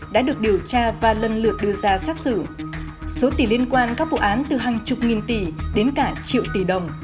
đã được điều tra và lần lượt đưa ra xét xử số tỷ liên quan các vụ án từ hàng chục nghìn tỷ đến cả triệu tỷ đồng